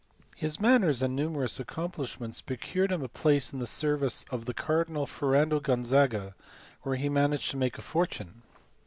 His manners and numerous accomplishments procured him a place in the service of the cardinal Ferrando Gonzaga, where he managed to make a for tune.